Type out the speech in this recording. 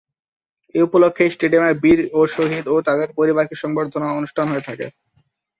এ উপলক্ষে এই স্টেডিয়ামে বীর ও শহিদ ও তাদের পরিবারকে সংবর্ধনা অনুষ্ঠান হয়ে থাকে।